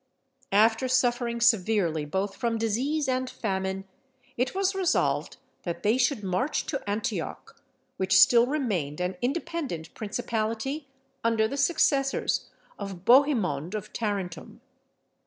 After suffering severely both from disease and famine, it was resolved that they should march to Antioch, which still remained an independent principality under the successors of Bohemund of Tarentum.